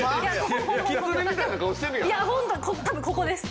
多分ここです！